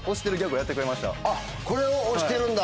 あっこれを推してるんだ。